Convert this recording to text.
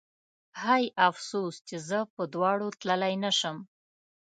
هی افسوس چې زه په دواړو تللی نه شم